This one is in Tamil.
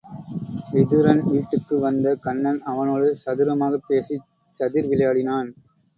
விதுரன் வீட்டுக்கு வந்த கண்ணன் அவனோடு சதுர மாகப் பேசிச் சதிர் விளையாடினான்.